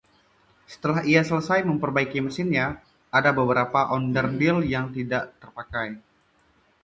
Setelah ia selesai memperbaiki mesinnya, ada beberapa onderdil yang tidak terpakai.